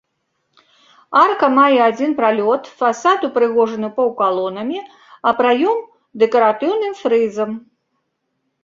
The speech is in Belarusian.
Арка мае адзін пралёт, фасад упрыгожаны паўкалонамі, а праём дэкаратыўным фрызам.